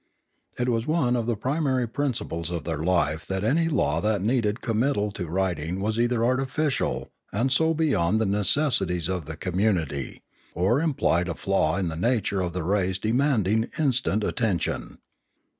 It was one of the primary principles of their life that any law that needed com mittal to writing was either artificial, and so beyond the necessities of the community, or implied a flaw in the nature of the race* demanding instant attention.